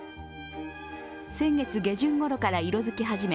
先月下旬ごろから色づき始め